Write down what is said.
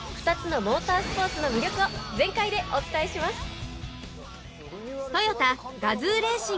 ２つのモータースポーツの魅力を全開でお伝えします。